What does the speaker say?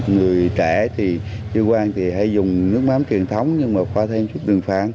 người trẻ thì dư quan thì hãy dùng nước mắm truyền thống nhưng mà khoa thêm chút đường phản